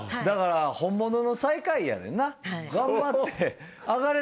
だから本物の最下位やねんな。